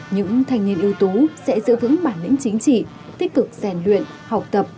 những thành viên ưu tú sẽ giữ vững bản lĩnh chính trị tích cực sèn luyện học tập